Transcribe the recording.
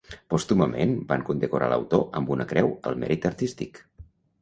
Pòstumament van condecorar l'autor amb una creu al mèrit artístic.